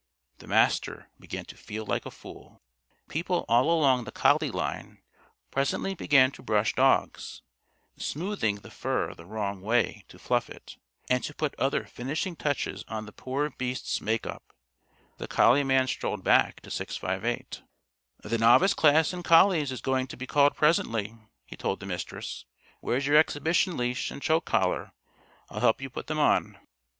The Master began to feel like a fool. People all along the collie line presently began to brush dogs (smoothing the fur the wrong way to fluff it) and to put other finishing touches on the poor beasts' make up. The collie man strolled back to 658. "The Novice class in collies is going to be called presently," he told the Mistress. "Where's your exhibition leash and choke collar? I'll help you put them on."